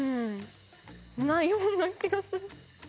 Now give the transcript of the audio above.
なような気がする。